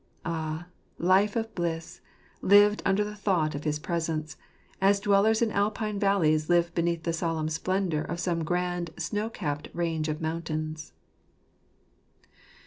Ah, life of bliss, lived under the thought of his presence ; as dwellers in Alpine valleys live beneath the solemn splendour of some grand snow capped range of mountains